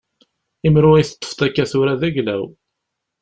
Imru i teṭṭfeḍ akka tura d ayla-w.